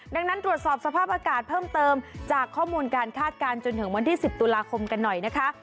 ดังนั้นตรวจสอบสภาพอากาศเพิ่มเติมจากข้อมูลการคาดการณ์จนถึงวันที่๑๐ตุลาคมกันหน่อยนะคะ